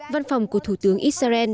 văn phòng của thủ tướng israel